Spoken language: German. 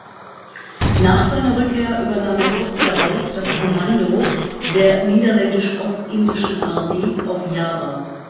Nach seiner Rückkehr übernahm er kurz darauf das Kommando der niederländisch-ostindischen Armee auf Java.